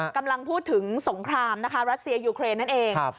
กำลังพูดถึงสงครามนะคะรัสเซียยูเครนนั่นเอง